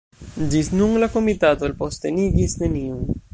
Ĝis nun la komitato elpostenigis neniun.